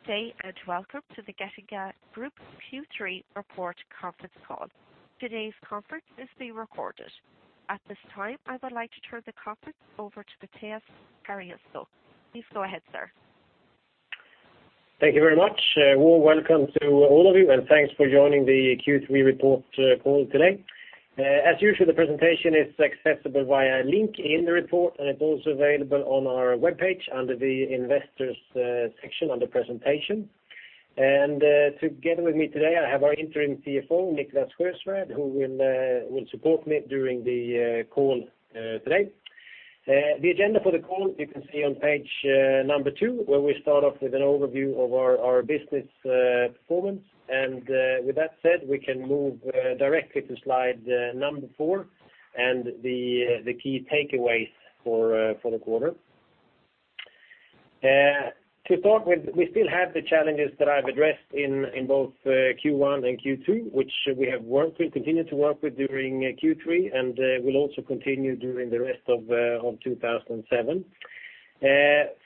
Good day, and welcome to the Getinge Group Q3 report conference call. Today's conference is being recorded. At this time, I would like to turn the conference over to Mattias Perjos. Please go ahead, sir. Thank you very much. Well, welcome to all of you, and thanks for joining the Q3 Report Call today. As usual, the presentation is accessible via a link in the report, and it's also available on our webpage under the Investors section, under Presentation. Together with me today, I have our interim CFO, Niklas Lindström, who will support me during the call today. The agenda for the call, you can see on page number two, where we start off with an overview of our business performance. With that said, we can move directly to slide number four and the key takeaways for the quarter. To start with, we still have the challenges that I've addressed in both Q1 and Q2, which we have worked with, continued to work with during Q3, and will also continue during the rest of 2007.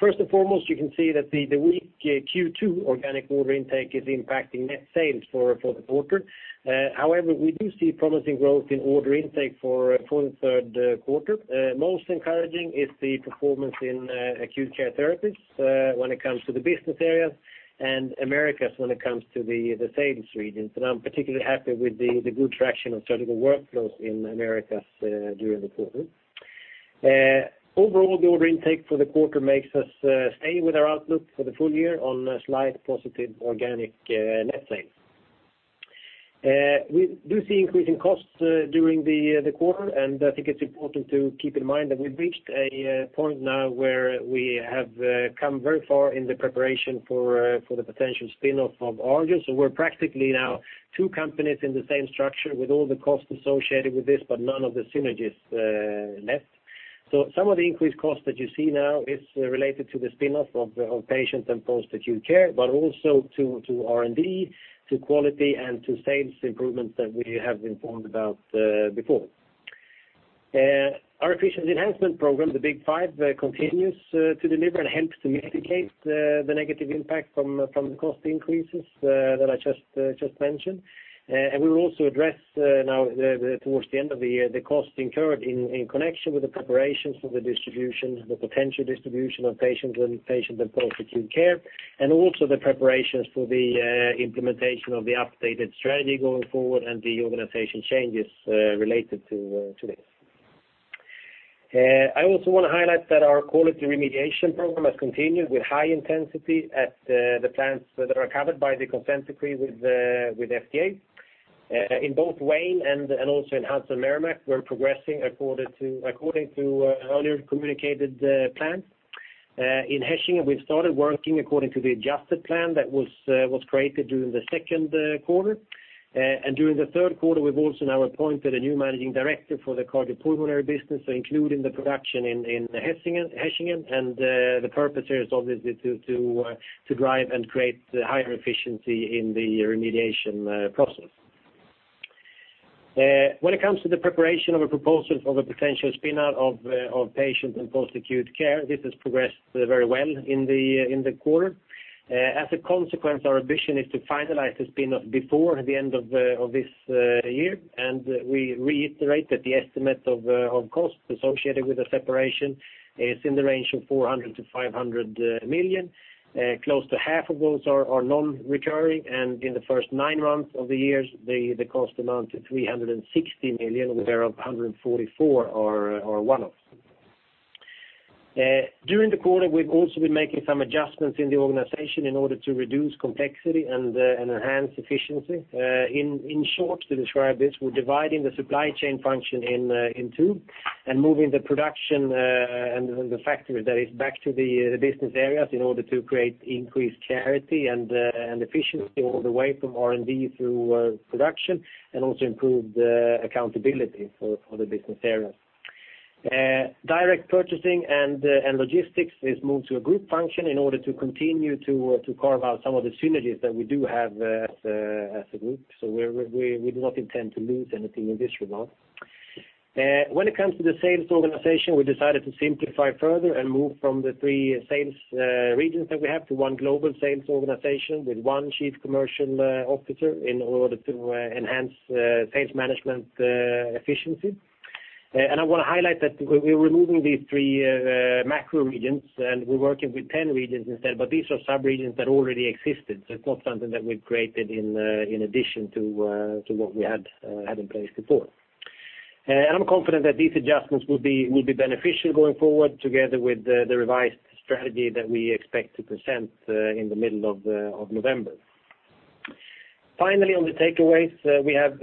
First and foremost, you can see that the weak Q2 organic order intake is impacting net sales for the quarter. However, we do see promising growth in order intake for the third quarter. Most encouraging is the performance in Acute Care Therapies, when it comes to the business areas, and Americas when it comes to the sales regions. And I'm particularly happy with the good traction of Surgical Workflows in Americas during the quarter. Overall, the order intake for the quarter makes us stay with our outlook for the full year on a slight positive organic net sales. We do see increasing costs during the quarter, and I think it's important to keep in mind that we've reached a point now where we have come very far in the preparation for the potential spin-off of Arjo. So we're practically now two companies in the same structure with all the costs associated with this, but none of the synergies left. So some of the increased costs that you see now is related to the spin-off of Patient and Post-Acute Care, but also to R&D, to quality, and to sales improvements that we have informed about before. Our efficiency enhancement program, the Big 5, continues to deliver and helps to mitigate the negative impact from the cost increases that I just mentioned. And we will also address now the costs incurred in connection with the preparations for the distribution, the potential distribution of Patients and Patient and Post-Acute Care, and also the preparations for the implementation of the updated strategy going forward, and the organization changes related to this. I also want to highlight that our quality remediation program has continued with high intensity at the plants that are covered by the consent decree with FDA. In both Wayne and also in Hechingen, Merrimack, we're progressing according to earlier communicated plan. In Hechingen, we've started working according to the adjusted plan that was created during the second quarter. And during the third quarter, we've also now appointed a new managing director for the Cardiopulmonary business, including the production in Hechingen, and the purpose here is obviously to drive and create higher efficiency in the remediation process. When it comes to the preparation of a proposal for the potential spin-out of Patient and Post-Acute Care, this has progressed very well in the quarter. As a consequence, our ambition is to finalize the spin-off before the end of this year. And we reiterate that the estimate of costs associated with the separation is in the range of 400 million-500 million. Close to half of those are non-recurring, and in the first nine months of the year, the cost amounts to 360 million, whereof 144 million are one-offs. During the quarter, we've also been making some adjustments in the organization in order to reduce complexity and enhance efficiency. In short, to describe this, we're dividing the supply chain function in two, and moving the production and the factory that is back to the business areas in order to create increased clarity and efficiency all the way from R&D through production, and also improve the accountability for the business areas. Direct purchasing and logistics is moved to a group function in order to continue to carve out some of the synergies that we do have as a group. So we're, we do not intend to lose anything in this regard. When it comes to the sales organization, we decided to simplify further and move from the three sales regions that we have to one global sales organization, with one chief commercial officer, in order to enhance sales management efficiency. And I want to highlight that we're removing these three macro regions, and we're working with 10 regions instead, but these are sub-regions that already existed, so it's not something that we've created in addition to what we had in place before. And I'm confident that these adjustments will be, will be beneficial going forward, together with the, the revised strategy that we expect to present in the middle of November. Finally, on the takeaways, we have,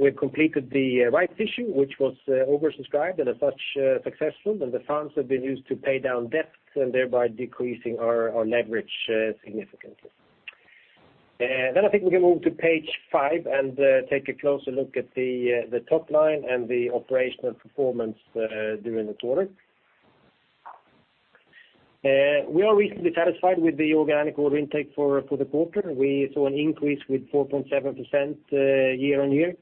we've completed the rights issue, which was oversubscribed and as such successful, and the funds have been used to pay down debts and thereby decreasing our leverage significantly. Then I think we can move to page five and take a closer look at the the top line and the operational performance during the quarter. We are reasonably satisfied with the organic order intake for, for the quarter. We saw an increase with 4.7% year-on-year.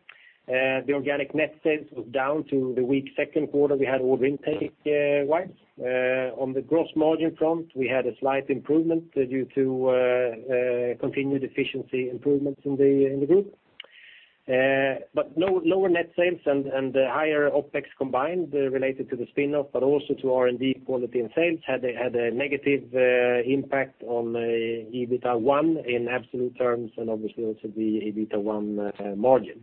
The organic net sales was down to the weak second quarter we had order intake wise. On the gross margin front, we had a slight improvement due to continued efficiency improvements in the group. But lower net sales and higher OpEx combined related to the spin-off, but also to R&D, quality, and sales, had a negative impact on EBITA 1 in absolute terms, and obviously also the EBITA 1 margin.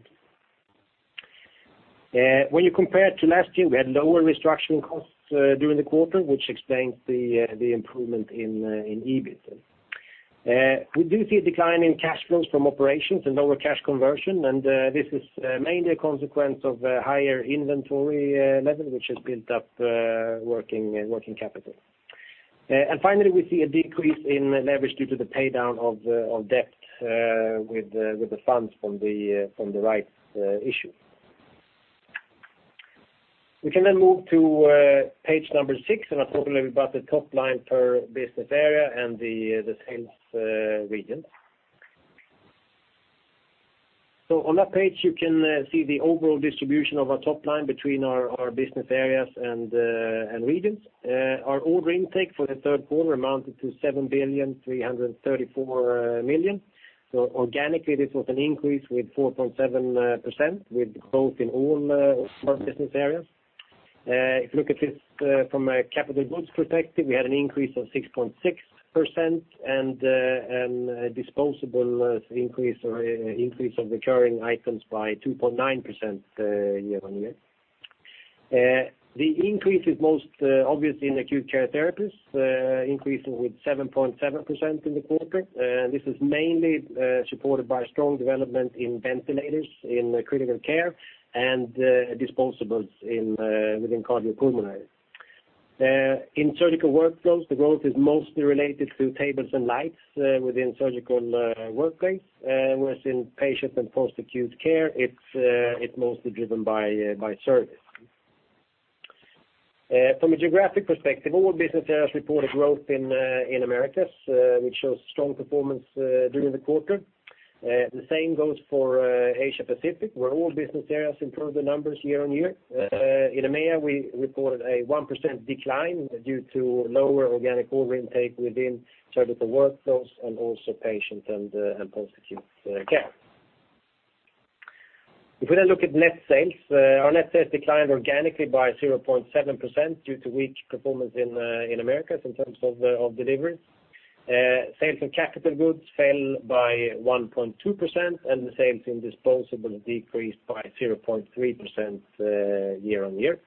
When you compare to last year, we had lower restructuring costs during the quarter, which explains the improvement in EBIT. We do see a decline in cash flows from operations and lower cash conversion, and this is mainly a consequence of higher inventory level, which has built up working capital. And finally, we see a decrease in leverage due to the paydown of debt with the funds from the rights issue. We can then move to page six, and I'll talk a little about the top line per business area and the sales region. So on that page, you can see the overall distribution of our top line between our business areas and regions. Our order intake for the third quarter amounted to 7,334 million. So organically, this was an increase with 4.7%, with growth in all our business areas. If you look at this from a capital goods perspective, we had an increase of 6.6% and a disposable increase or increase of recurring items by 2.9%, year-on-year. The increase is most obvious in Acute Care Therapies, increasing with 7.7% in the quarter. This is mainly supported by strong development in ventilators in Critical Care, and disposables within Cardiopulmonary. In Surgical Workflows, the growth is mostly related to tables and lights within Surgical Workplaces, whereas in Patient and Post-Acute Care, it's mostly driven by service. From a geographic perspective, all business areas reported growth in Americas, which shows strong performance during the quarter. The same goes for Asia Pacific, where all business areas improved the numbers year-on-year. In EMEA, we reported a 1% decline due to lower organic order intake within Surgical Workflows and also Patient and Post-Acute Care. If we then look at net sales, our net sales declined organically by 0.7% due to weak performance in Americas in terms of delivery. Sales in capital goods fell by 1.2%, and the sales in disposables decreased by 0.3% year-on-year.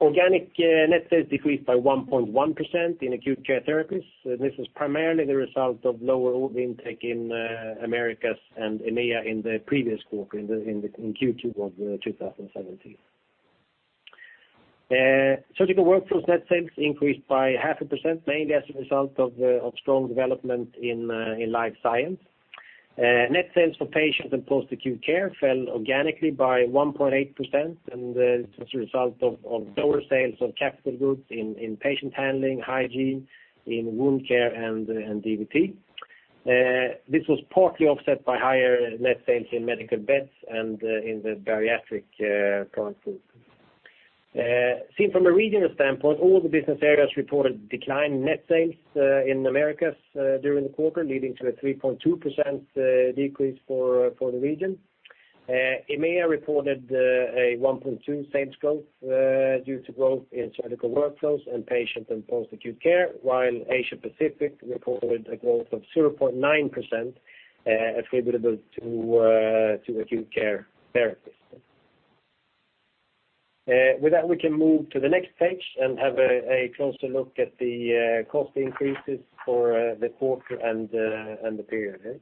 Organic net sales decreased by 1.1% in acute care therapies. This is primarily the result of lower order intake in Americas and EMEA in the previous quarter, in Q2 of 2017. Surgical Workflows net sales increased by 0.5%, mainly as a result of strong development in Life Science. Net sales for Patient and Post-Acute Care fell organically by 1.8%, and as a result of lower sales of capital goods in Patient Handling, Hygiene, Wound Care, and DVT. This was partly offset by higher net sales in Medical Beds and in the bariatric product group. Seen from a regional standpoint, all the business areas reported decline in net sales in Americas during the quarter, leading to a 3.2% decrease for the region. EMEA reported a 1.2 sales growth due to growth in Surgical Workflows and Patient and Post-Acute Care, while Asia Pacific reported a growth of 0.9% attributable to acute care therapies. With that, we can move to the next page and have a closer look at the cost increases for the quarter and the period.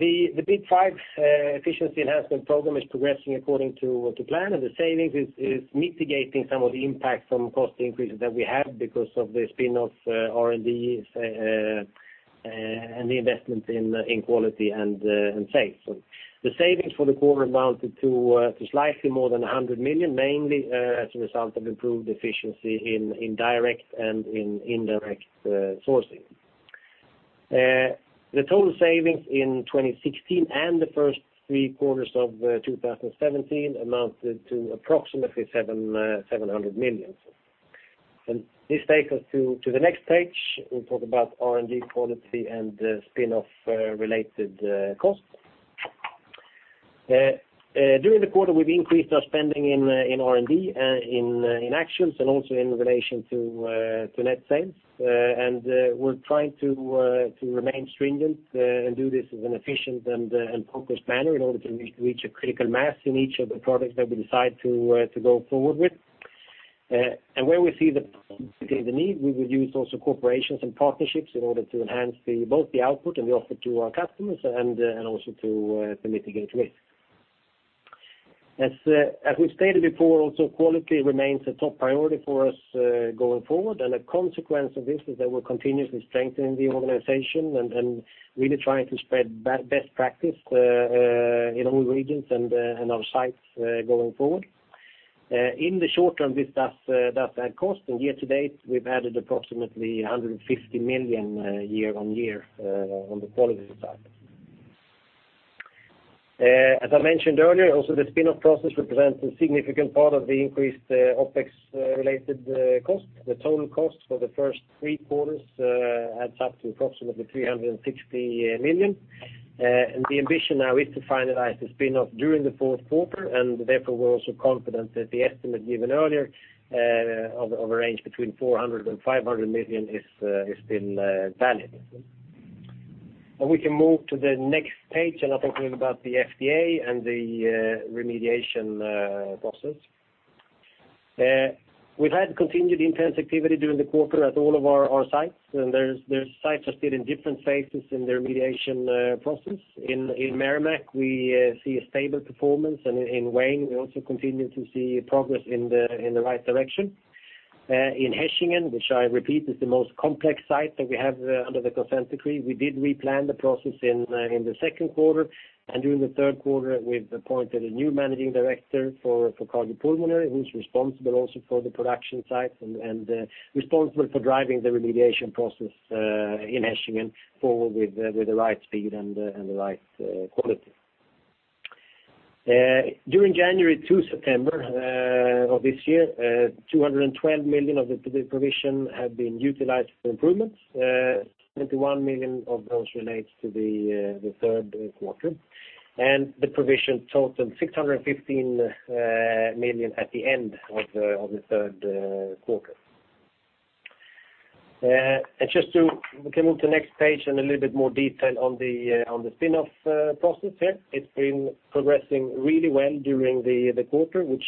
The Big Five efficiency enhancement program is progressing according to plan, and the savings is mitigating some of the impact from cost increases that we have because of the spin-off, R&D, and the investment in quality and safety. The savings for the quarter amounted to slightly more than 100 million, mainly as a result of improved efficiency in direct and indirect sourcing. The total savings in 2016 and the first three quarters of 2017 amounted to approximately 700 million. And this takes us to the next page. We'll talk about R&D quality and the spin-off related costs. During the quarter, we've increased our spending in R&D in actions and also in relation to net sales. And we're trying to remain stringent and do this in an efficient and focused manner in order to reach a critical mass in each of the products that we decide to go forward with. Where we see the need, we will use also cooperations and partnerships in order to enhance both the output and the offer to our customers and also to mitigate risk. As we stated before, quality remains a top priority for us going forward, and a consequence of this is that we're continuously strengthening the organization and really trying to spread best practice in all regions and our sites going forward. In the short term, this does add cost, and year-to-date, we've added approximately 150 million year on year on the quality side. As I mentioned earlier, the spin-off process represents a significant part of the increased OpEx-related cost. The total cost for the first three quarters adds up to approximately 360 million. And the ambition now is to finalize the spin-off during the fourth quarter, and therefore, we're also confident that the estimate given earlier of a range between 400 million and 500 million is still valid. And we can move to the next page, and I'll talk a little about the FDA and the remediation process. We've had continued intense activity during the quarter at all of our sites, and the sites are still in different phases in the remediation process. In Merrimack, we see a stable performance, and in Wayne, we also continue to see progress in the right direction. In Hechingen, which I repeat, is the most complex site that we have under the Consent Decree, we did replan the process in the second quarter, and during the third quarter, we've appointed a new managing director for Cardiopulmonary, who's responsible also for the production site and responsible for driving the remediation process in Hechingen forward with the right speed and the right quality. During January to September of this year, 212 million of the provision have been utilized for improvements. 21 million of those relates to the third quarter, and the provision totaled 615 million at the end of the third quarter. And just we can move to the next page and a little bit more detail on the spin-off process here. It's been progressing really well during the quarter, which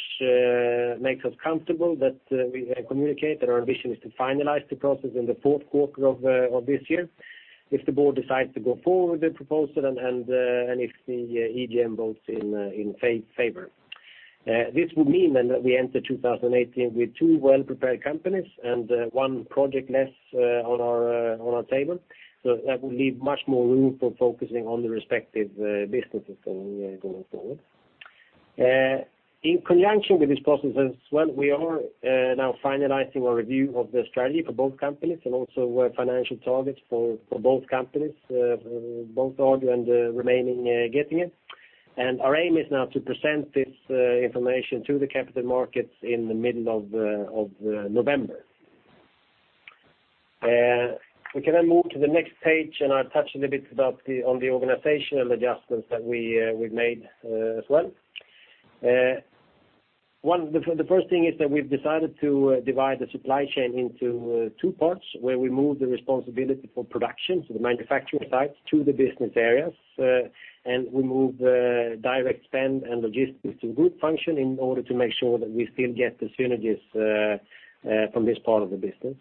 makes us comfortable that we have communicated our ambition is to finalize the process in the fourth quarter of this year. If the board decides to go forward with the proposal and if the EGM votes in favor. This would mean then that we enter 2018 with two well-prepared companies and one project less on our table. So that will leave much more room for focusing on the respective businesses going forward. In conjunction with this process as well, we are now finalizing our review of the strategy for both companies and also our financial targets for both companies, both Getinge and the remaining Getinge. Our aim is now to present this information to the capital markets in the middle of November. We can then move to the next page, and I'll touch a little bit about on the organizational adjustments that we've made as well. One, the first thing is that we've decided to divide the supply chain into two parts, where we move the responsibility for production, so the manufacturing sites, to the business areas, and we move direct spend and logistics to group function in order to make sure that we still get the synergies from this part of the business.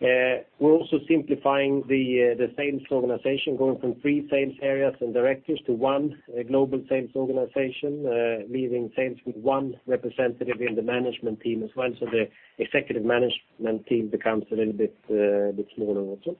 We're also simplifying the sales organization, going from three sales areas and directors to one global sales organization, leaving sales with one representative in the management team as well, so the executive management team becomes a little bit smaller also.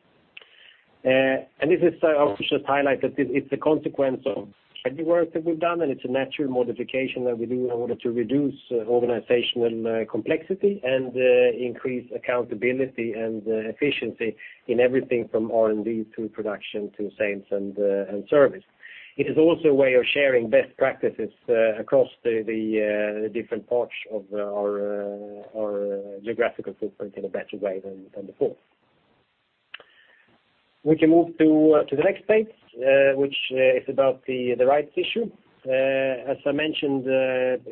This is, I should just highlight that it's a consequence of the work that we've done, and it's a natural modification that we do in order to reduce organizational complexity and increase accountability and efficiency in everything from R&D to production to sales and service. It is also a way of sharing best practices across the different parts of our geographical footprint in a better way than before. We can move to the next page, which is about the rights issue. As I mentioned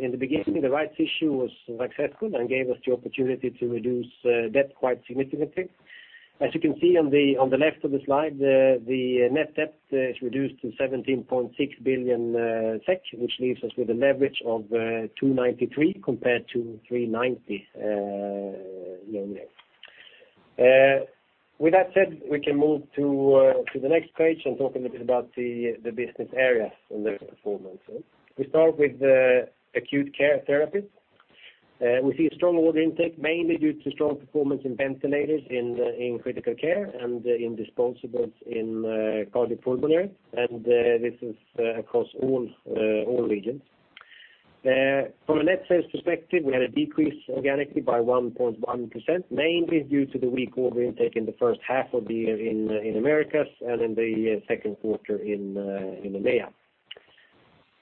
in the beginning, the rights issue was successful and gave us the opportunity to reduce debt quite significantly. As you can see on the left of the slide, the net debt is reduced to 17.6 billion SEK, which leaves us with a leverage of 2.93 compared to 3.90 year-on-year. With that said, we can move to the next page and talk a little bit about the business areas and their performance. We start with Acute Care Therapies. We see a strong order intake, mainly due to strong performance in ventilators, in Critical Care and in disposables in Cardiopulmonary, and this is across all regions. From a net sales perspective, we had a decrease organically by 1.1%, mainly due to the weak order intake in the first half of the year in Americas and in the second quarter in EMEA.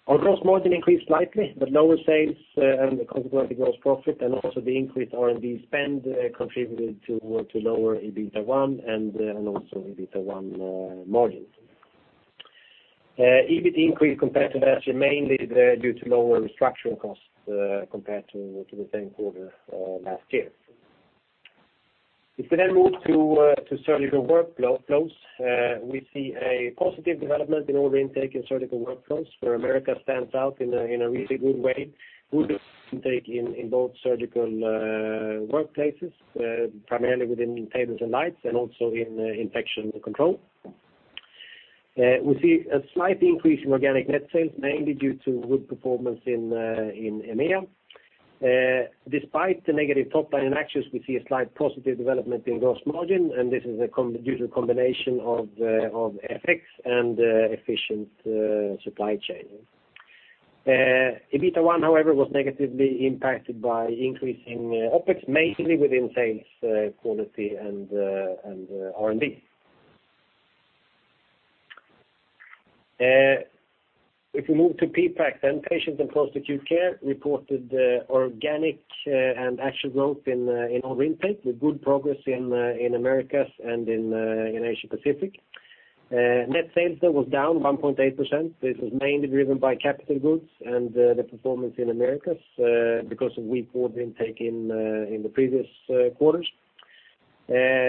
Our gross margin increased slightly, but lower sales and the consequent lower gross profit, and also the increased R&D spend, contributed to lower EBITA and also EBITA 1 margin. EBIT increased compared to last year, mainly due to lower restructuring costs compared to the same quarter last year. If we then move to Surgical Workflows, we see a positive development in order intake in Surgical Workflows, where Americas stands out in a really good way, good intake in both Surgical Workplaces, primarily within tables and lights, and also in Infection Control. We see a slight increase in organic net sales, mainly due to good performance in EMEA. Despite the negative top-line actions, we see a slight positive development in gross margin, and this is due to a combination of FX and efficient supply chain. EBITA 1, however, was negatively impacted by increasing OpEx, mainly within sales, quality, and R&D. If we move to PPAC, then Patient and Post-Acute Care reported organic and actual growth in order intake, with good progress in Americas and in Asia Pacific. Net sales then was down 1.8%. This was mainly driven by capital goods and the performance in Americas because of weak order intake in the previous quarters.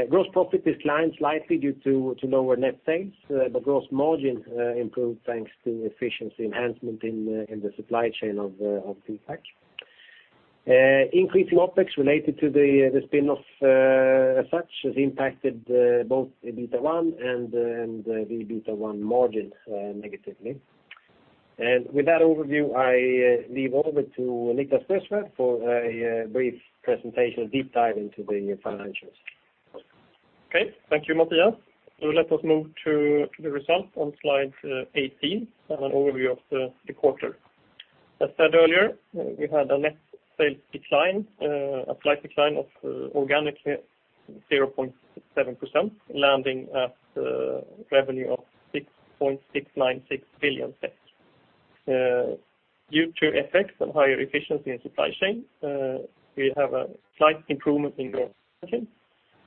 Gross profit declined slightly due to lower net sales, but gross margin improved thanks to efficiency enhancement in the supply chain of PPAC. Increasing OpEx related to the spin-off as such has impacted both EBITA 1 and the EBITA 1 margin negatively. And with that overview, I hand over to Niklas Lindström for a brief presentation, deep dive into the financials. Okay, thank you, Mattias. So let us move to the results on slide 18, an overview of the quarter. As said earlier, we had a net sales decline, a slight decline of organically 0.7%, landing at revenue of 6.696 billion. Due to effects and higher efficiency in supply chain, we have a slight improvement in growth.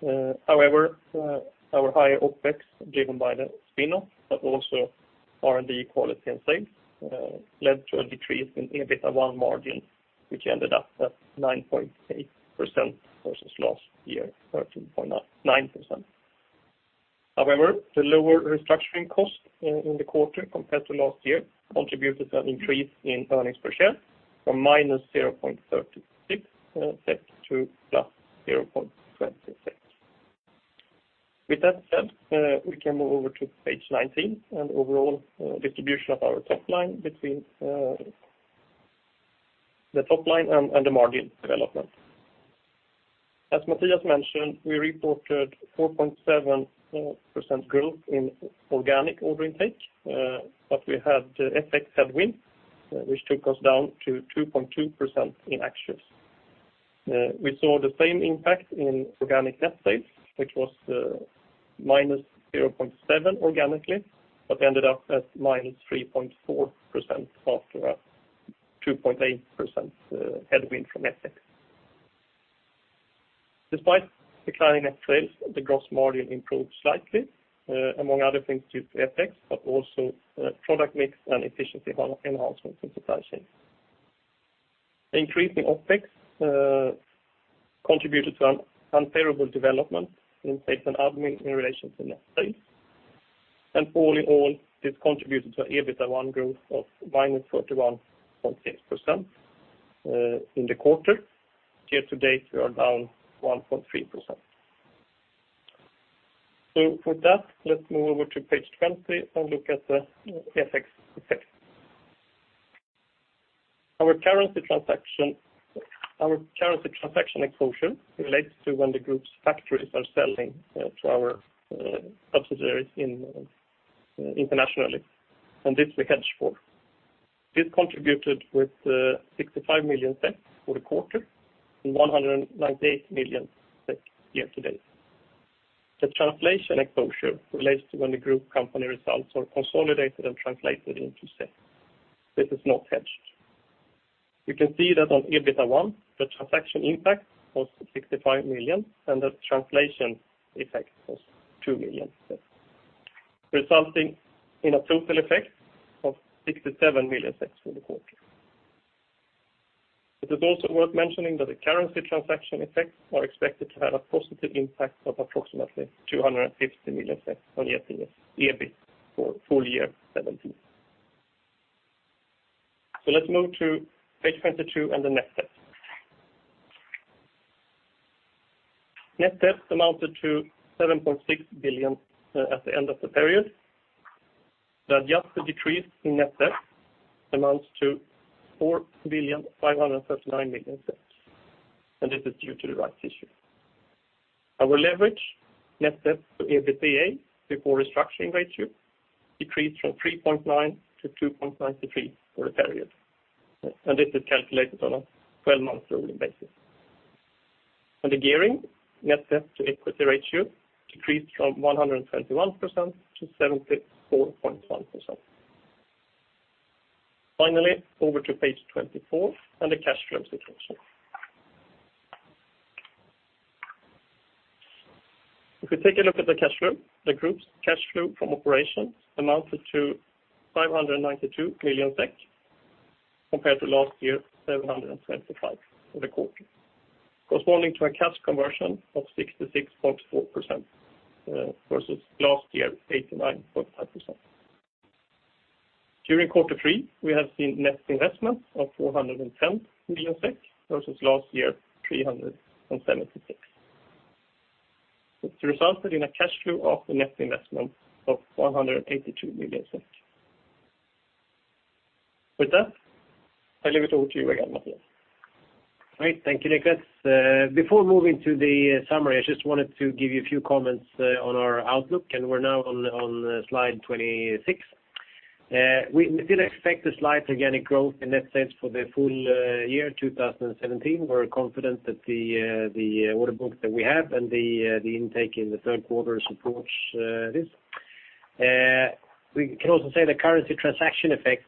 However, our higher OpEx, driven by the spin-off, but also R&D quality and sales, led to a decrease in EBITA 1 margin, which ended up at 9.8% versus last year, 13.9%. However, the lower restructuring cost in the quarter compared to last year contributed an increase in earnings per share from -0.36 SEK to +0.20 SEK. With that said, we can move over to page 19, and overall distribution of our top line between the top line and the margin development. As Mattias mentioned, we reported 4.7% growth in organic order intake, but we had FX headwind, which took us down to 2.2% in actuals. We saw the same impact in organic net sales, which was minus 0.7% organically, but ended up at minus 3.4% after a 2.8% headwind from FX. Despite declining net sales, the gross margin improved slightly, among other things due to FX, but also product mix and efficiency enhancements in supply chain. Increasing OpEx contributed to an unfavorable development in sales and admin in relation to net sales. All in all, this contributed to EBITA 1 growth of -31.6%, in the quarter. Year-to-date, we are down 1.3%. So with that, let's move over to page 20 and look at the FX effect. Our currency transaction exposure relates to when the group's factories are selling to our subsidiaries internationally, and this we hedge for. This contributed with 65 million SEK for the quarter, and 198 million SEK year-to-date. The translation exposure relates to when the group company results are consolidated and translated into SEK. This is not hedged. You can see that on EBITA 1, the transaction impact was 65 million SEK, and the translation effect was 2 million SEK, resulting in a total effect of 67 million SEK for the quarter. It is also worth mentioning that the currency transaction effects are expected to have a positive impact of approximately 250 million on the EBIT, EBIT for full year 2017. So let's move to page 22 and the net debt. Net debt amounted to 7.6 billion at the end of the period. The adjusted decrease in net debt amounts to 4.539 billion, and this is due to the rights issue. Our leverage, net debt to EBITA before restructuring ratio, decreased from 3.9-2.93 for the period, and this is calculated on a 12-month rolling basis. The gearing, net debt to equity ratio, decreased from 121%-74.1%. Finally, over to page 24 and the cash flow situation. If we take a look at the cash flow, the group's cash flow from operations amounted to 592 million SEK, compared to last year, 775 million for the quarter, corresponding to a cash conversion of 66.4%, versus last year, 89.5%. During quarter three, we have seen net investment of 410 million SEK, versus last year, 376 million. It's resulted in a cash flow of the net investment of 182 million SEK. With that, I leave it over to you again, Mattias. Great, thank you, Niklas. Before moving to the summary, I just wanted to give you a few comments on our outlook, and we're now on slide 26. We did expect a slight organic growth in net sales for the full year 2017. We're confident that the order book that we have and the intake in the third quarter supports this. We can also say the currency transaction effects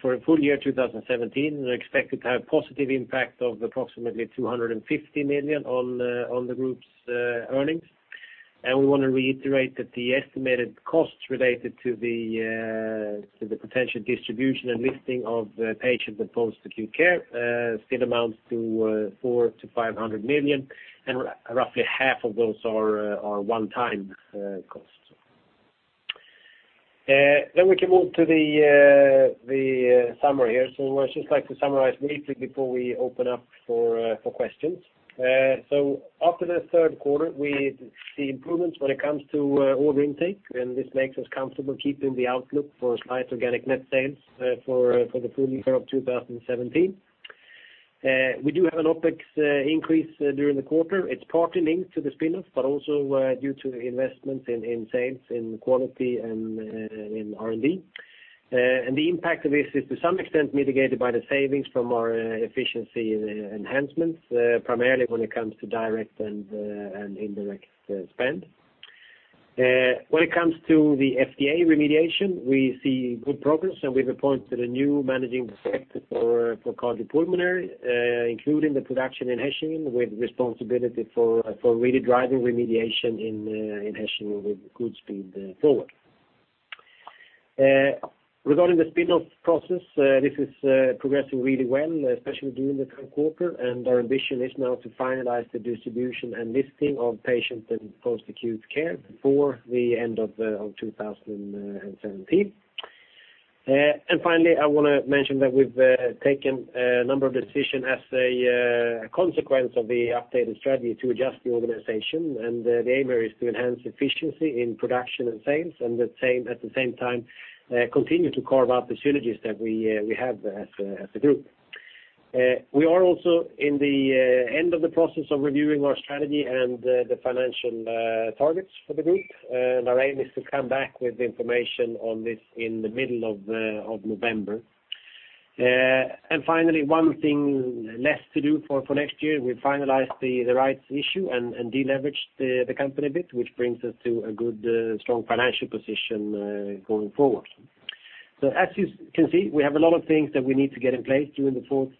for a full year 2017 are expected to have positive impact of approximately 250 million on the group's earnings. We want to reiterate that the estimated costs related to the potential distribution and listing of the Patient and Post-Acute Care still amounts to 400 million-500 million, and roughly half of those are one-time costs. Then we can move to the summary here. So I would just like to summarize briefly before we open up for questions. So after the third quarter, we see improvements when it comes to order intake, and this makes us comfortable keeping the outlook for slight organic net sales for the full year of 2017. We do have an OpEx increase during the quarter. It's partly linked to the spin-off, but also due to investments in sales, in quality, and in R&D. And the impact of this is, to some extent, mitigated by the savings from our efficiency enhancements, primarily when it comes to direct and indirect spend. When it comes to the FDA remediation, we see good progress, and we've appointed a new managing director for Cardiopulmonary, including the production in Hechingen with responsibility for really driving remediation in Hechingen with good speed forward. Regarding the spin-off process, this is progressing really well, especially during the current quarter, and our ambition is now to finalize the distribution and listing of Patient and Post-Acute Care before the end of 2017. And finally, I want to mention that we've taken a number of decisions as a consequence of the updated strategy to adjust the organization, and the aim is to enhance efficiency in production and sales, and at the same time continue to carve out the synergies that we have as a group. We are also in the end of the process of reviewing our strategy and the financial targets for the group. And our aim is to come back with the information on this in the middle of November. And finally, one thing less to do for next year, we finalized the rights issue and de-leveraged the company a bit, which brings us to a good strong financial position going forward. So as you can see, we have a lot of things that we need to get in place during the fourth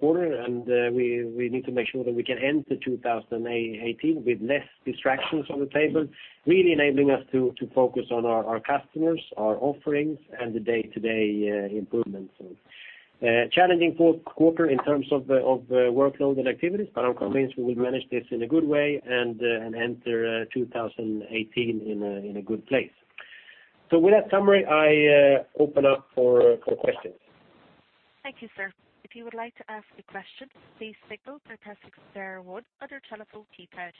quarter, and we need to make sure that we can end the 2018 with less distractions on the table, really enabling us to focus on our customers, our offerings, and the day-to-day improvements. Challenging fourth quarter in terms of workload and activities, but I'm convinced we will manage this in a good way and enter 2018 in a good place. So with that summary, I open up for questions. Thank you, sir. If you would like to ask a question, please signal by pressing star one on your telephone keypad.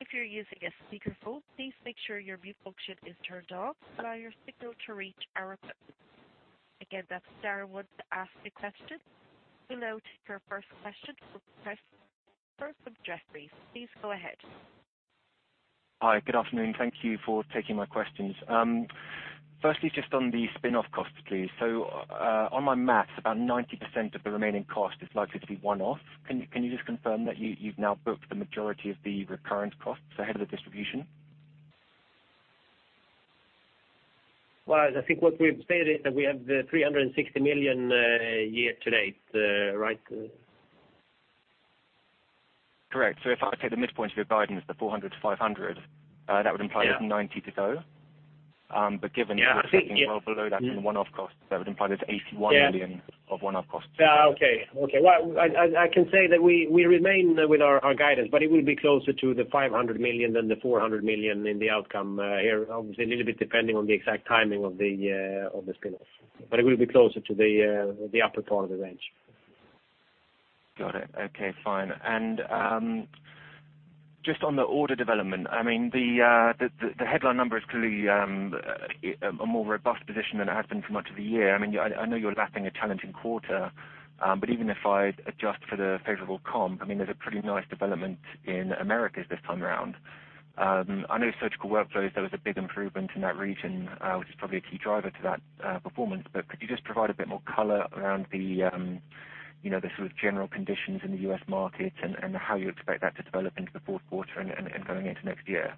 If you're using a speakerphone, please make sure your mute function is turned off to allow your signal to reach our equipment. Again, that's star one to ask a question. We'll now take our first question from Chris Berg of Jefferies. Please go ahead. Hi, good afternoon. Thank you for taking my questions. Firstly, just on the spin-off costs, please. So, on my math, about 90% of the remaining cost is likely to be one-off. Can you just confirm that you've now booked the majority of the recurrent costs ahead of the distribution? Well, I think what we've said is that we have 360 million year to date, right? Correct. So if I take the midpoint of your guidance, the 400-500, that would imply 90 to go. But given-- Yeah, I think, yeah-- Well below that in one-off costs, that would imply there's 81 million-of one-off costs. Yeah, okay. Okay, well, I can say that we remain with our guidance, but it will be closer to 500 million than 400 million in the outcome here. Obviously, a little bit depending on the exact timing of the spin-off, but it will be closer to the upper part of the range. Got it. Okay, fine. And just on the order development, I mean, the headline number is clearly a more robust position than it has been for much of the year. I mean, I know you're lapping a challenging quarter, but even if I adjust for the favorable comp, I mean, there's a pretty nice development in Americas this time around. I know Surgical Workflows, there was a big improvement in that region, which is probably a key driver to that performance. But could you just provide a bit more color around the, you know, the sort of general conditions in the U.S. market and how you expect that to develop into the fourth quarter and going into next year?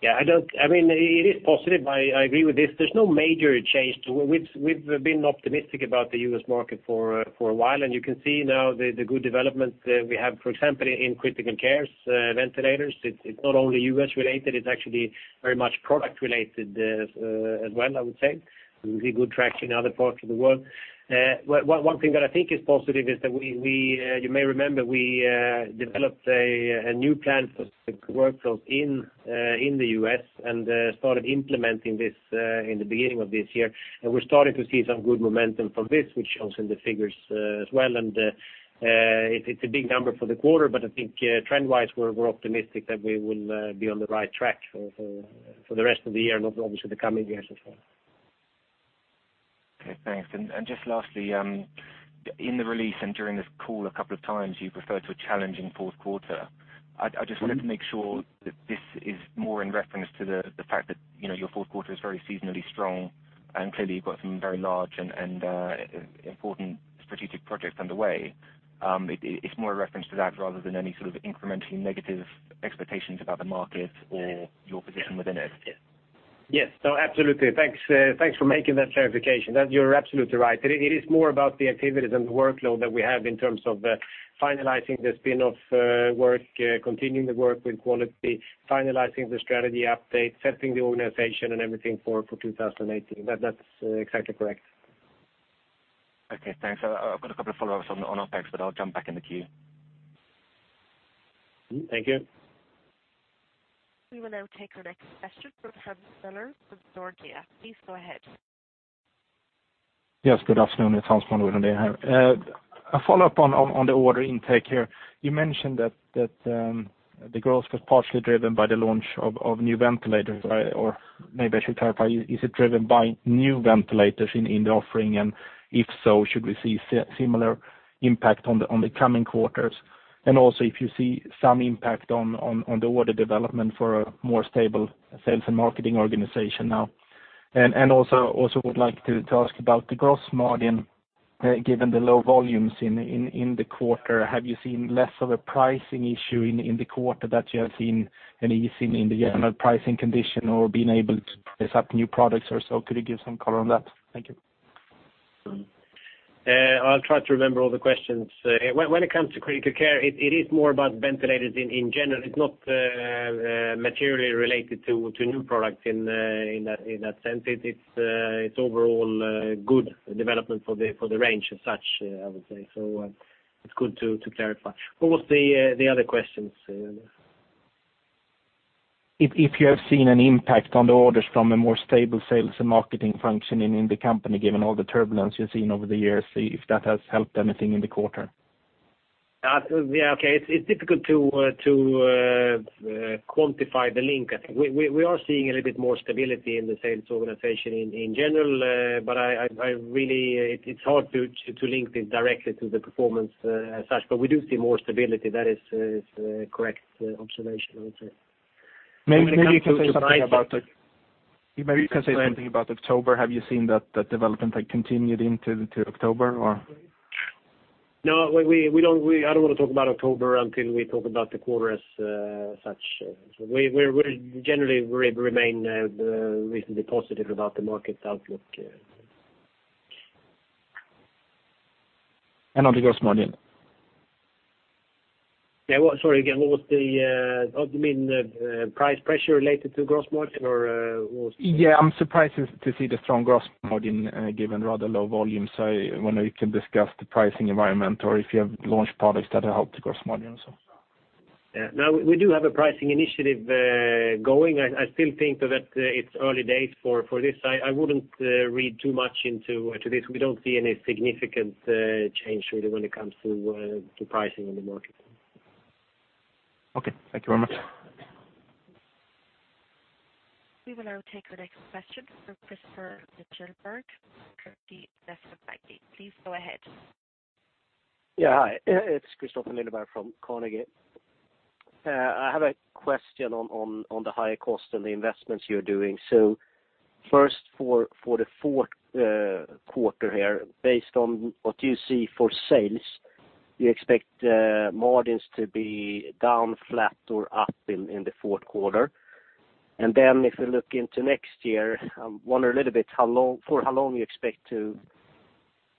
Yeah, I don't--I mean, it is positive. I agree with this. There's no major change to we've been optimistic about the U.S. market for a while, and you can see now the good development we have, for example, in Critical Care ventilators. It's not only U.S. related, it's actually very much product related as well, I would say. We see good traction in other parts of the world. One thing that I think is positive is that we, you may remember, developed a new plan for the workflows in the U.S. and started implementing this in the beginning of this year. And we're starting to see some good momentum from this, which shows in the figures as well. It's a big number for the quarter, but I think, trend-wise, we're optimistic that we will be on the right track for the rest of the year and obviously the coming years as well. Okay, thanks. And just lastly, in the release and during this call, a couple of times, you referred to a challenging fourth quarter. I just wanted to make sure that this is more in reference to the fact that, you know, your fourth quarter is very seasonally strong, and clearly, you've got some very large and important strategic projects underway. It’s more a reference to that rather than any sort of incrementally negative expectations about the market or your position within it? Yes. No, absolutely. Thanks, thanks for making that clarification. That you're absolutely right. It, it is more about the activities and the workload that we have in terms of the finalizing the spin-off, work, continuing the work with quality, finalizing the strategy update, setting the organization and everything for 2018. That, that's exactly correct. Okay, thanks. I've got a couple of follow-ups on OpEx, but I'll jump back in the queue. Thank you. We will now take our next question from Hans Bauer of Nordea. Please go ahead. Yes, good afternoon. It's Hans Bauer here. A follow-up on the order intake here. You mentioned that the growth was partially driven by the launch of new ventilators, right? Or maybe I should clarify, is it driven by new ventilators in the offering? And if so, should we see similar impact on the coming quarters? And also, if you see some impact on the order development for a more stable sales and marketing organization now. And also would like to ask about the gross margin, given the low volumes in the quarter, have you seen less of a pricing issue in the quarter that you have seen, and you've seen in the general pricing condition, or been able to price up new products or so? Could you give some color on that? Thank you. I'll try to remember all the questions. When it comes to Critical Care, it is more about ventilators in general. It's not materially related to new products in that sense. It's overall good development for the range as such, I would say. So, it's good to clarify. What was the other questions? If you have seen an impact on the orders from a more stable sales and marketing functioning in the company, given all the turbulence you've seen over the years, if that has helped anything in the quarter? Yeah, okay. It's difficult to quantify the link. I think we are seeing a little bit more stability in the sales organization in general, but I really, it's hard to link this directly to the performance as such. But we do see more stability. That is a correct observation, I would say. Maybe you can say something about the-- When it comes to pricing-- Maybe you can say something about October. Have you seen that, that development, like, continued into, to October, or? No, we don't. I don't want to talk about October until we talk about the quarter as such. So we generally remain reasonably positive about the market outlook. On the gross margin? Yeah, what-- sorry, again, what was the, you mean the, price pressure related to gross margin, or, what's-- Yeah, I'm surprised to see the strong gross margin, given rather low volume. So I wonder you can discuss the pricing environment or if you have launched products that have helped the gross margin, so. Yeah. No, we do have a pricing initiative going. I still think that it's early days for this. I wouldn't read too much into this. We don't see any significant change really when it comes to pricing in the market. Okay. Thank you very much. We will now take our next question from Kristofer Liljeberg of Carnegie. Please go ahead. Yeah, hi. It's Kristofer Liljeberg from Carnegie. I have a question on, on, on the higher cost and the investments you're doing. So first, for the fourth quarter here, based on what you see for sales, you expect margins to be down, flat, or up in the fourth quarter? And then if you look into next year, I wonder a little bit how long, for how long you expect to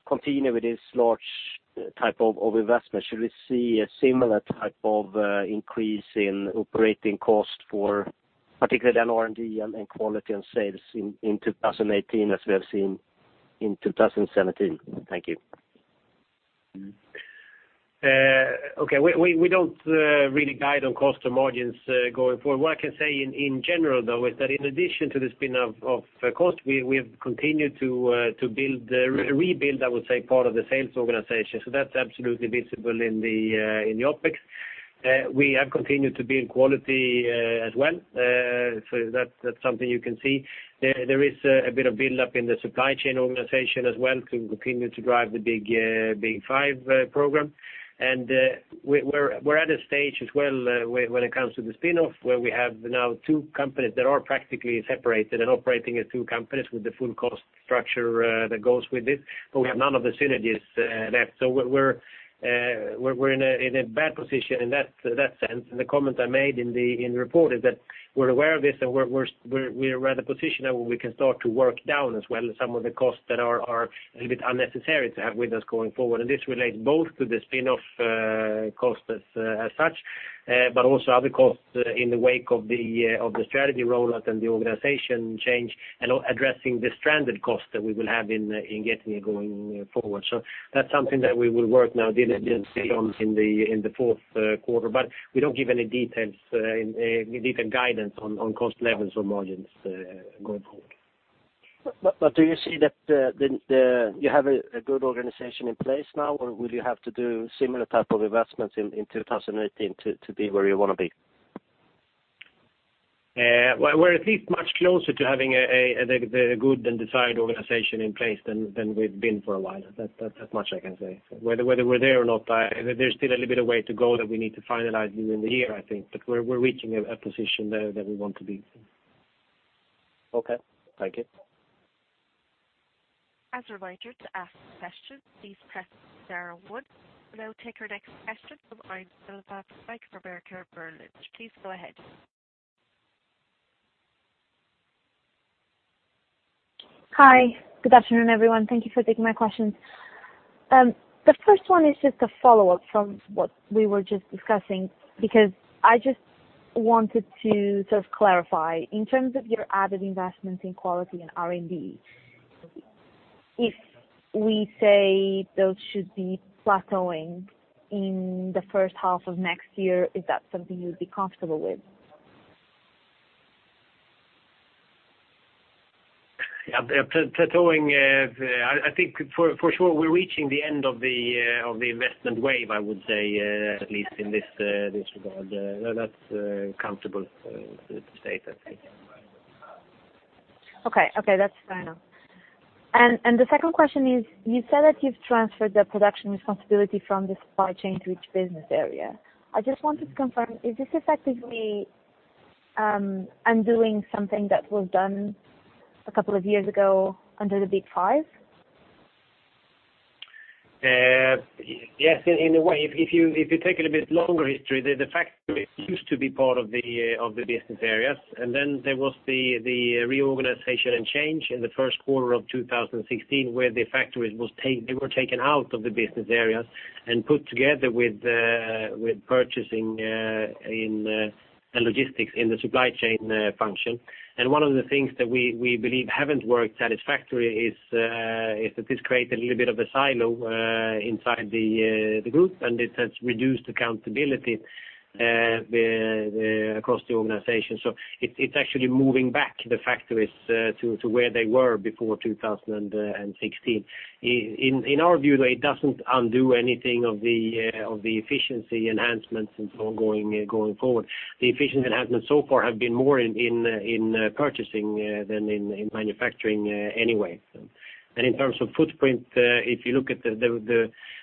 continue with this large type of investment. Should we see a similar type of increase in operating costs for particularly the R&D and, and quality and sales in, in 2018, as we have seen in 2017? Thank you. Okay. We don't really guide on cost to margins going forward. What I can say in general, though, is that in addition to the spin-off of cost, we have continued to build, rebuild, I would say, part of the sales organization. So that's absolutely visible in the OpEx. We have continued to build quality as well. So that's something you can see. There is a bit of build-up in the supply chain organization as well to continue to drive the Big 5 program. We're at a stage as well, when it comes to the spin-off, where we have now two companies that are practically separated and operating as two companies with the full cost structure that goes with it, but we have none of the synergies left. So we're in a bad position in that sense. And the comment I made in the report is that we're aware of this, and we're at a position where we can start to work down as well as some of the costs that are a little bit unnecessary to have with us going forward. This relates both to the spin-off costs as such, but also other costs in the wake of the strategy rollout and the organization change, and also addressing the stranded costs that we will have in Getinge going forward. That's something that we will work now diligently on in the fourth quarter, but we don't give any details in detailed guidance on cost levels or margins going forward. But do you see that you have a good organization in place now, or will you have to do similar type of investments in 2018 to be where you want to be? Well, we're at least much closer to having the good and desired organization in place than we've been for a while. That much I can say. Whether we're there or not, there's still a little bit of way to go that we need to finalize during the year, I think, but we're reaching a position that we want to be. Okay, thank you. As a reminder, to ask questions, please press star one. We'll now take our next question from Ines Silva from Bank of America Merrill Lynch. Please go ahead. Hi, good afternoon, everyone. Thank you for taking my questions. The first one is just a follow-up from what we were just discussing, because I just wanted to sort of clarify. In terms of your added investments in quality and R&D, if we say those should be plateauing in the first half of next year, is that something you'd be comfortable with? Yeah, plateauing, I think for sure we're reaching the end of the investment wave, I would say, at least in this regard. That's comfortable to state, I think. Okay, okay, that's fair enough. And the second question is, you said that you've transferred the production responsibility from the supply chain to each business area. I just wanted to confirm, is this effectively undoing something that was done a couple of years ago under the Big Five? Yes, in a way, if you take it a bit longer history, the factories used to be part of the business areas, and then there was the reorganization and change in the first quarter of 2016, where the factories they were taken out of the business areas and put together with purchasing in the logistics, in the supply chain function. And one of the things that we believe haven't worked satisfactory is that this created a little bit of a silo inside the group, and it has reduced accountability across the organization. So it's actually moving back the factories to where they were before 2016. In our view, though, it doesn't undo anything of the efficiency enhancements and so going forward. The efficiency enhancements so far have been more in purchasing than in manufacturing anyway. And in terms of footprint, if you look at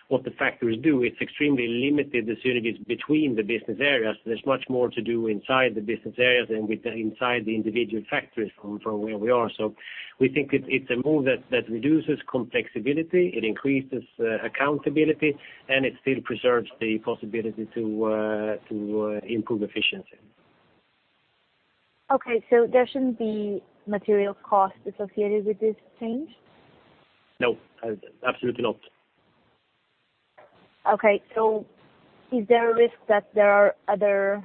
what the factories do, it's extremely limited, the synergies between the business areas. There's much more to do inside the business areas than within the individual factories from where we are. So we think it's a move that reduces complexity, it increases accountability, and it still preserves the possibility to improve efficiency. Okay, there shouldn't be material costs associated with this change? No, absolutely not. Okay, so is there a risk that there are other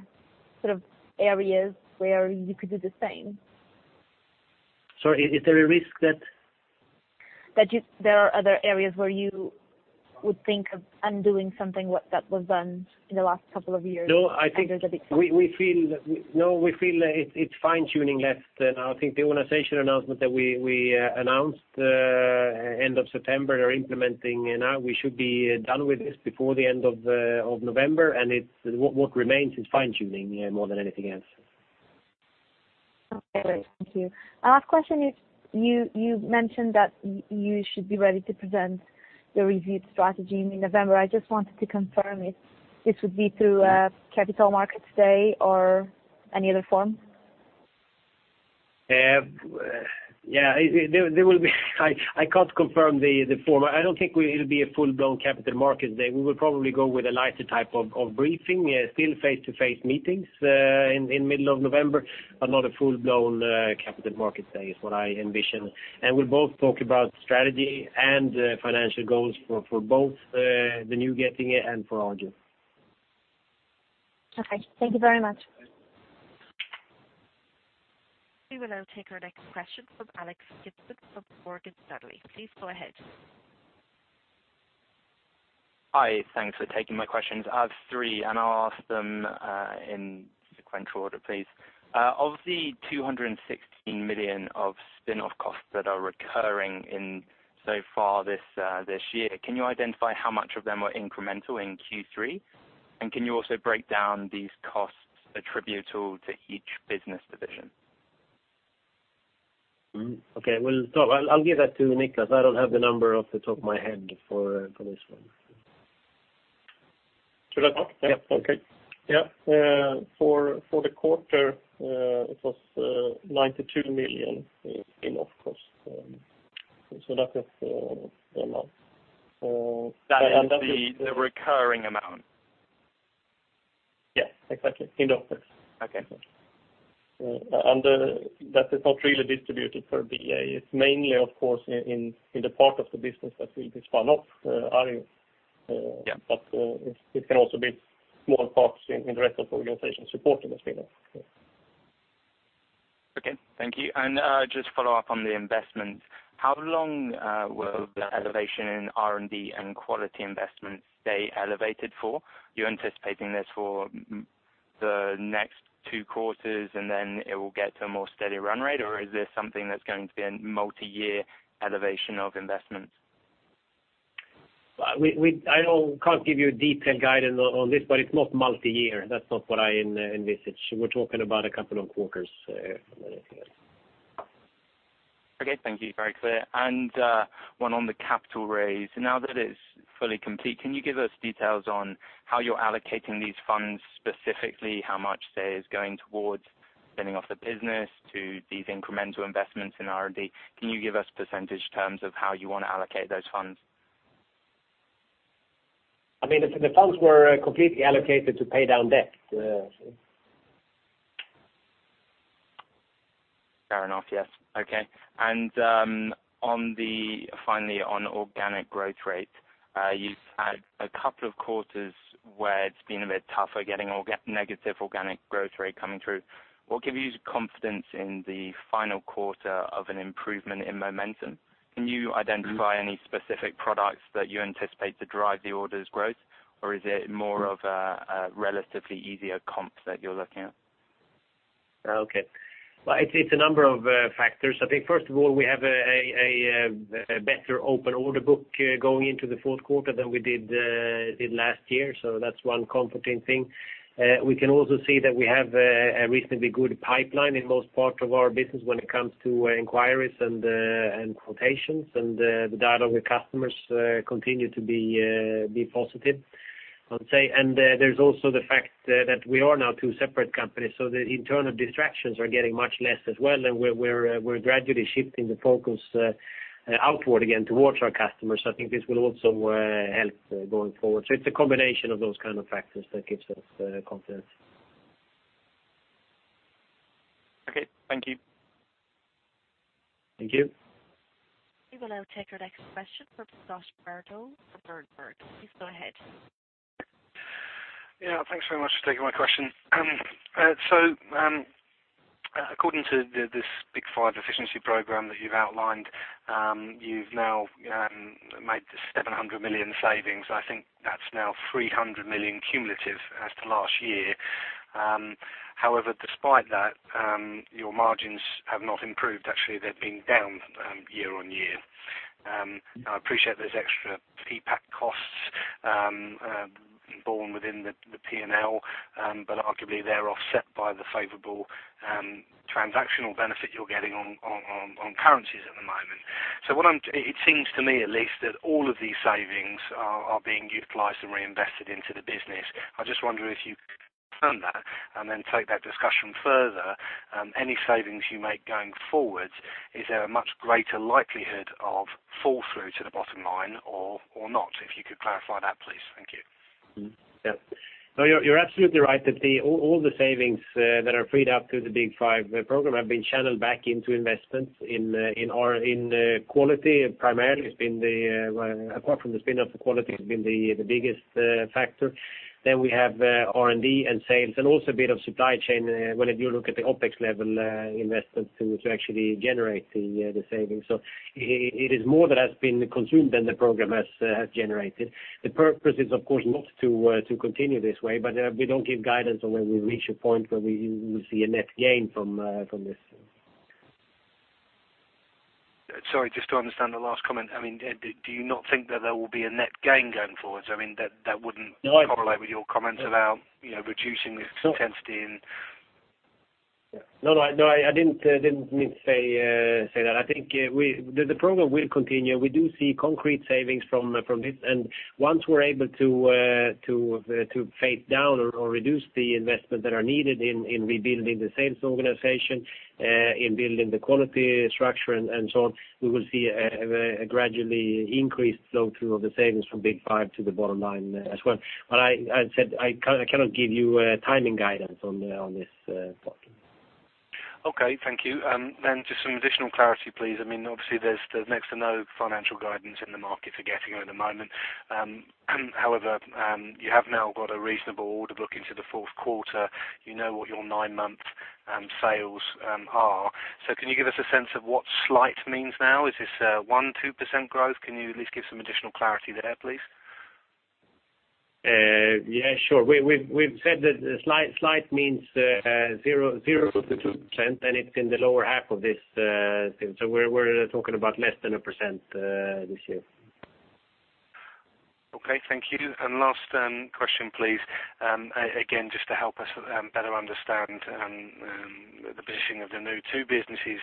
sort of areas where you could do the same? Sorry, is there a risk that? There are other areas where you would think of undoing something what, that was done in the last couple of years? No, I think- Under the Big Five. We feel it's fine-tuning left, and I think the organization announcement that we announced end of September are implementing, and now we should be done with this before the end of November, and what remains is fine-tuning, yeah, more than anything else. Okay, thank you. Last question is, you mentioned that you should be ready to present the reviewed strategy in November. I just wanted to confirm if this would be through a capital markets day or any other form? Yeah, there will be. I can't confirm the form. I don't think it'll be a full-blown capital market day. We will probably go with a lighter type of briefing, still face-to-face meetings in middle of November, but not a full-blown capital market day is what I envision. And we'll both talk about strategy and financial goals for both the New Getinge and for Arjo. Okay. Thank you very much. We will now take our next question from Alex Gibson of Morgan Stanley. Please go ahead. Hi. Thanks for taking my questions. I have three, and I'll ask them in sequential order, please. Of the 216 million of spin-off costs that are recurring in so far this year, can you identify how much of them are incremental in Q3? And can you also break down these costs attributable to each business division? Okay, we'll start. I'll give that to Niklas. I don't have the number off the top of my head for this one. Should I start? Yeah. Okay. Yeah, for the quarter, it was 92 million in off costs. So that is the amount. That is the recurring amount? Yeah, exactly. In office. Okay. That is not really distributed per BA. It's mainly, of course, in the part of the business that will be spun off, are you? Yeah. But, it can also be small parts in the rest of the organization supporting the spin-off. Okay, thank you. Just follow up on the investment. How long will the elevation in R&D and quality investment stay elevated for? You're anticipating this for the next two quarters, and then it will get to a more steady run rate, or is this something that's going to be a multi-year elevation of investments? We, I know, can't give you a detailed guidance on this, but it's not multi-year. That's not what I envisage. We're talking about a couple of quarters from that here. Okay, thank you. Very clear. And, one on the capital raise. Now that it's fully complete, can you give us details on how you're allocating these funds, specifically, how much there is going towards spinning off the business to these incremental investments in R&D? Can you give us percentage terms of how you want to allocate those funds? I mean, the funds were completely allocated to pay down debt, so. Fair enough. Yes. Okay. And, on the finally, on organic growth rate, you've had a couple of quarters where it's been a bit tougher getting negative organic growth rate coming through. What gives you confidence in the final quarter of an improvement in momentum? Can you identify any specific products that you anticipate to drive the orders growth, or is it more of a relatively easier comp that you're looking at? Okay. Well, it's a number of factors. I think, first of all, we have a better open order book going into the fourth quarter than we did last year, so that's one comforting thing. We can also see that we have a reasonably good pipeline in most parts of our business when it comes to inquiries and quotations, and the data with customers continue to be positive, I'd say. And there's also the fact that we are now two separate companies, so the internal distractions are getting much less as well. And we're gradually shifting the focus outward again towards our customers. I think this will also help going forward. So it's a combination of those kind of factors that gives us confidence. Okay, thank you. Thank you. We will now take our next question from Scott Bardo from Berenberg. Please go ahead. Yeah, thanks very much for taking my question. So, according to this Big Five efficiency program that you've outlined, you've now made the 700 million savings. I think that's now 300 million cumulative as to last year. However, despite that, your margins have not improved. Actually, they've been down year-over-year. I appreciate there's extra PPAC costs borne within the P&L, but arguably they're offset by the favorable transactional benefit you're getting on currencies at the moment. So what I'm--it seems to me at least, that all of these savings are being utilized and reinvested into the business. I just wonder if you confirm that, and then take that discussion further, any savings you make going forward, is there a much greater likelihood of fall through to the bottom line or, or not? If you could clarify that, please. Thank you. Yeah. No, you're, you're absolutely right that all the savings that are freed up through the Big Five program have been channeled back into investments in, in our, in quality. Primarily, it's been the, well, apart from the spin-off, the quality has been the, the biggest factor. Then we have R&D and sales, and also a bit of supply chain when you look at the OpEx level, investment to actually generate the savings. So it is more that has been consumed than the program has generated. The purpose is, of course, not to continue this way, but we don't give guidance on when we reach a point where we see a net gain from this. Sorry, just to understand the last comment. I mean, do you not think that there will be a net gain going forward? I mean, that wouldn't-- No. --correlate with your comments about, you know, reducing this intensity and-- No, no, I didn't mean to say that. I think the program will continue. We do see concrete savings from this. And once we're able to fade down or reduce the investment that are needed in rebuilding the sales organization, in building the quality structure and so on, we will see a gradually increased flow through of the savings from Big Five to the bottom line as well. But I said, I cannot give you a timing guidance on this part. Okay, thank you. Then just some additional clarity, please. I mean, obviously there's next to no financial guidance in the market for Getinge at the moment. However, you have now got a reasonable order book into the fourth quarter. You know what your nine-month sales are. So can you give us a sense of what slight means now? Is this, 1%-2% growth? Can you at least give some additional clarity there, please? Yeah, sure. We've said that slight means 0%-2%, and it's in the lower half of this, so we're talking about less than 1%, this year. Okay, thank you. And last question, please. Again, just to help us better understand the positioning of the new two businesses.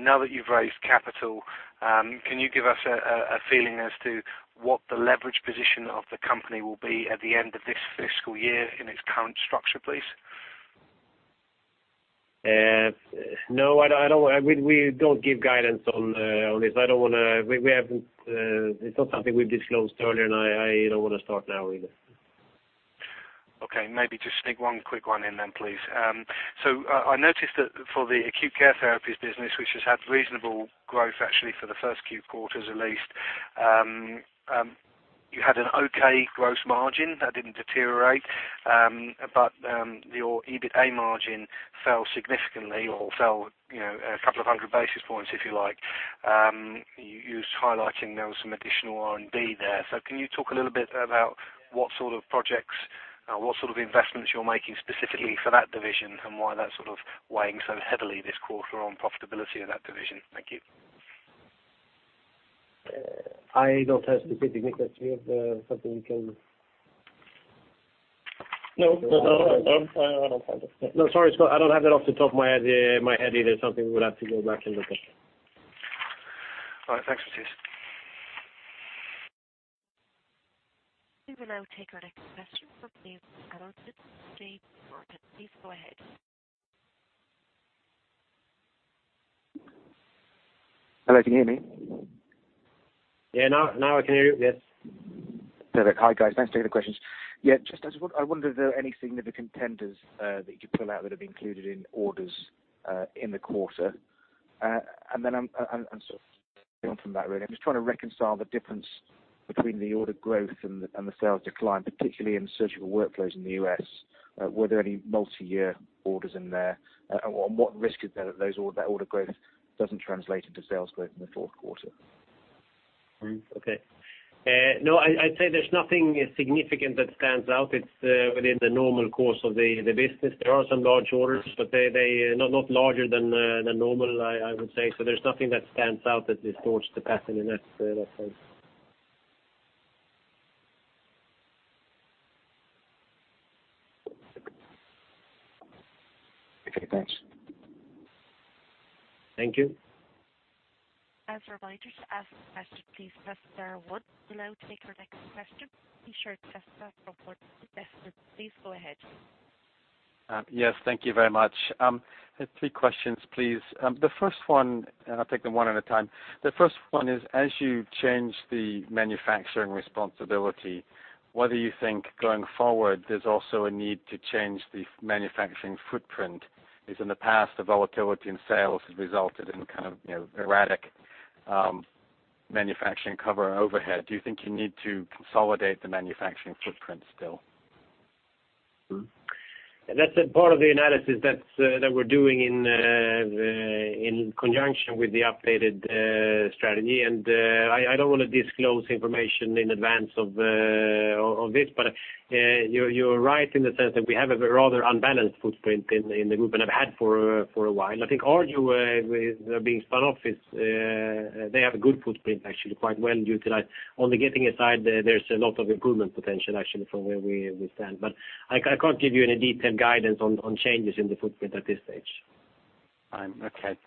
Now that you've raised capital, can you give us a feeling as to what the leverage position of the company will be at the end of this fiscal year in its current structure, please? No, I don't want. We don't give guidance on this. I don't wanna. We haven't. It's not something we've disclosed earlier, and I don't wanna start now either. Okay, maybe just sneak one quick one in then, please. So, I noticed that for the Acute Care Therapies business, which has had reasonable growth, actually, for the first few quarters at least, you had an okay gross margin that didn't deteriorate, but your EBITA margin fell significantly or fell, you know, a couple of hundred basis points, if you like. You was highlighting there was some additional R&D there. So, can you talk a little bit about what sort of investments you're making specifically for that division, and why that's sort of weighing so heavily this quarter on profitability in that division? Thank you. I don't have the specific, Mattias. Do you have something you can? No, no, no, I don't have it. No, sorry, Scott, I don't have that off the top of my head either, something we would have to go back and look at. All right. Thanks, Mattias. We will now take our next question from the Annette Lying from JPMorgan. Please go ahead. Hello, can you hear me? Yeah, now, now I can hear you, yes. Perfect. Hi, guys, thanks for taking the questions. Yeah, just I wonder if there are any significant tenders that you could pull out that have been included in orders in the quarter? And then I'm sort of from that, really, I'm just trying to reconcile the difference between the order growth and the sales decline, particularly in Surgical Workflows in the U.S. Were there any multi-year orders in there? And what risk is there that those order growth doesn't translate into sales growth in the fourth quarter? Okay. No, I'd say there's nothing significant that stands out. It's within the normal course of the business. There are some large orders, but they not larger than normal, I would say. So there's nothing that stands out that distorts the pattern in that, I'd say. Okay, thanks. Thank you. As a reminder, to ask the question, please press star one. We'll now take our next question. Be sure to press star four, please. Please go ahead. Yes, thank you very much. I have three questions, please. The first one, and I'll take them one at a time. The first one is, as you change the manufacturing responsibility, whether you think going forward, there's also a need to change the manufacturing footprint? Because in the past, the volatility in sales has resulted in kind of, you know, erratic, manufacturing cover and overhead. Do you think you need to consolidate the manufacturing footprint still? That's a part of the analysis that we're doing in conjunction with the updated strategy. And I don't wanna disclose information in advance of this, but you're right in the sense that we have a rather unbalanced footprint in the group, and have had for a while. I think Arjo with being spun off is they have a good footprint, actually, quite well utilized. On the Getinge side, there's a lot of improvement potential, actually, from where we stand. But I can't give you any detailed guidance on changes in the footprint at this stage. Fine. Okay.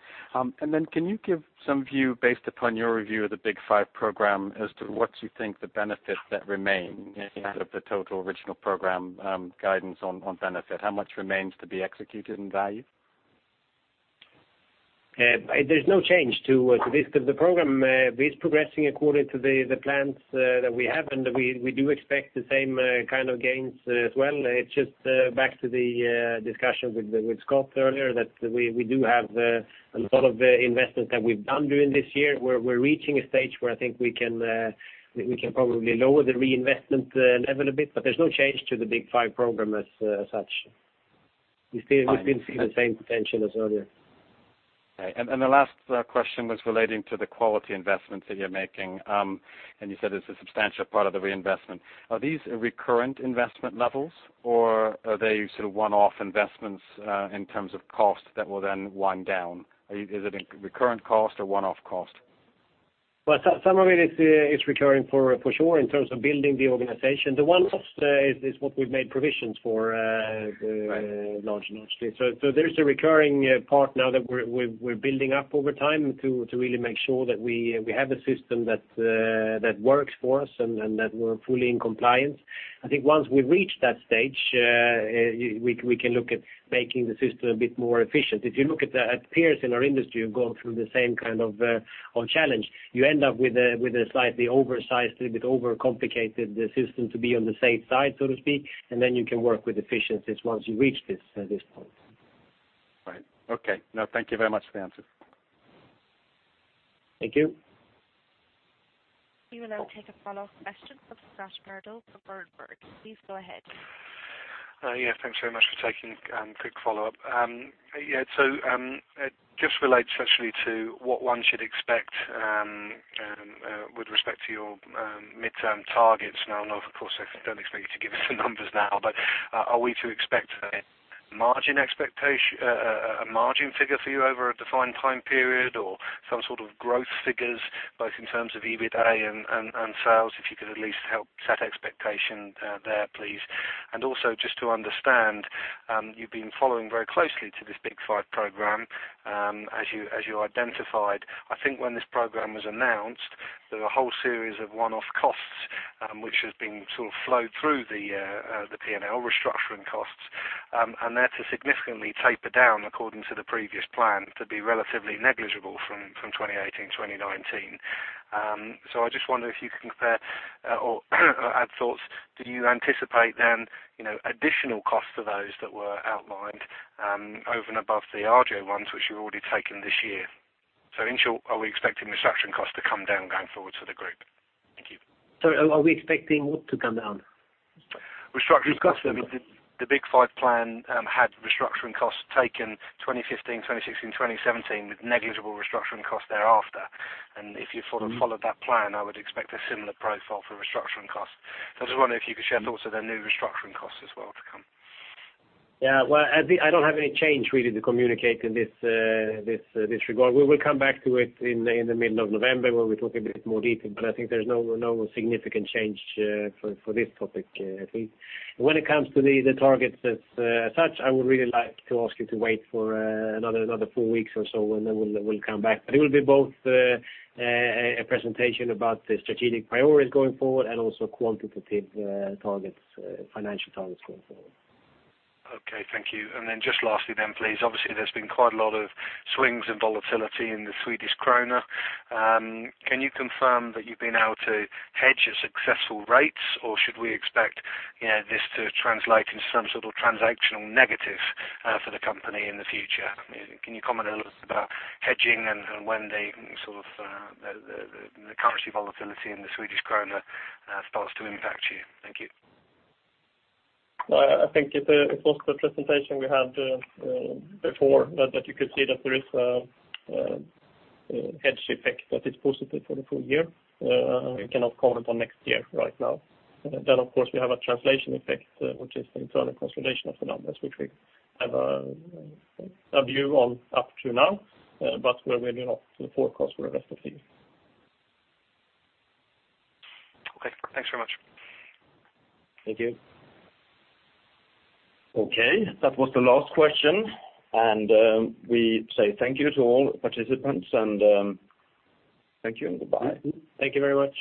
And then can you give some view, based upon your review of the Big Five program, as to what you think the benefits that remain out of the total original program, guidance on benefit? How much remains to be executed in value? There's no change to this, because the program is progressing according to the plans that we have, and we do expect the same kind of gains as well. It's just back to the discussion with Scott earlier, that we do have a lot of the investments that we've done during this year. We're reaching a stage where I think we can probably lower the reinvestment level a bit, but there's no change to the Big Five program as such. Fine. We still, we can see the same potential as earlier. Okay. And the last question was relating to the quality investments that you're making. And you said it's a substantial part of the reinvestment. Are these recurrent investment levels, or are they sort of one-off investments, in terms of cost that will then wind down? Is it a recurrent cost or one-off cost? Well, so some of it is recurring for sure, in terms of building the organization. The one-off is what we've made provisions for large, largely. So there's a recurring part now that we're building up over time to really make sure that we have a system that works for us, and that we're fully in compliance. I think once we reach that stage, we can look at making the system a bit more efficient. If you look at peers in our industry, who are going through the same kind of challenge, you end up with a slightly oversized, a little bit overcomplicated the system to be on the safe side, so to speak, and then you can work with efficiencies once you reach this point. Right. Okay. No, thank you very much for the answers. Thank you. We will now take a follow-up question from Scott Bardo from Berenberg. Please go ahead. Yeah, thanks very much for taking quick follow-up. Yeah, so, it just relates actually to what one should expect with respect to your midterm targets. Now, of course, I don't expect you to give us the numbers now, but are we to expect a margin figure for you over a defined time period, or some sort of growth figures, both in terms of EBITA and sales? If you could at least help set expectation there, please. And also, just to understand, you've been following very closely to this Big Five program, as you identified. I think when this program was announced, there were a whole series of one-off costs, which have been sort of flowed through the P&L restructuring costs. And that's a significantly taper down, according to the previous plan, to be relatively negligible from 2018, 2019. So I just wonder if you can compare, or, add thoughts, do you anticipate then, you know, additional costs to those that were outlined, over and above the Arjo ones, which you've already taken this year? So in short, are we expecting restructuring costs to come down, going forward to the group? Thank you. Sorry, are we expecting what to come down? Restructuring costs. Restructuring costs. The Big Five plan had restructuring costs taken 2015, 2016, 2017, with negligible restructuring costs thereafter. If you followed that plan, I would expect a similar profile for restructuring costs. I just wondered if you could share thoughts of the new restructuring costs as well to come? Yeah, well, I think I don't have any change really to communicate in this regard. We will come back to it in the middle of November, where we'll talk a bit more detail, but I think there's no significant change for this topic, I think. When it comes to the targets as such, I would really like to ask you to wait for another four weeks or so, and then we'll come back. But it will be both a presentation about the strategic priorities going forward, and also quantitative targets, financial targets going forward. Okay, thank you. And then just lastly then, please. Obviously, there's been quite a lot of swings in volatility in the Swedish krona. Can you confirm that you've been able to hedge your successful rates, or should we expect, you know, this to translate into some sort of transactional negative for the company in the future? Can you comment a little bit about hedging and when the sort of the currency volatility in the Swedish krona starts to impact you? Thank you. I think it's, it was the presentation we had, before, that you could see that there is, a hedge effect that is possible for the full year. We cannot comment on next year right now. Then, of course, we have a translation effect, which is the internal consolidation of the numbers, which we have, a view on up to now, but we do not forecast for the rest of the year. Okay. Thanks very much. Thank you. Okay, that was the last question, and we say thank you to all participants, and thank you and goodbye. Thank you very much.